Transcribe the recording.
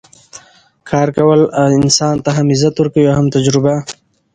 کار کول انسان ته هم عزت ورکوي او هم تجربه